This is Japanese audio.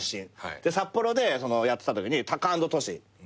札幌でやってたときにタカアンドトシとかアップ